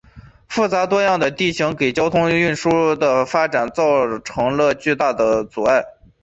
复杂多样的地形给交通运输的发展造成了巨大阻碍。